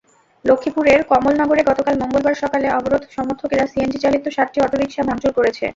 লক্ষ্মীপুরের কমলনগরে গতকাল মঙ্গলবার সকালে অবরোধ-সমর্থকেরা সিএনজিচালিত সাতটি অটোরিকশা ভাঙচুর করেছে।